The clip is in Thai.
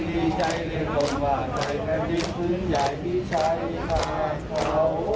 มีใจเรียนลงมาใจแค่ดินคืนใหญ่มีชัยภาคเขา